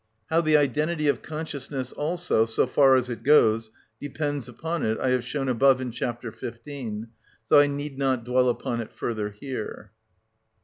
How the identity of consciousness also, so far as it goes, depends upon it I have shown above in chapter 15, so I need not dwell upon it further here.